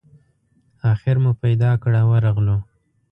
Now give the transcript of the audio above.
آخر مو پیدا کړ او ورغلو.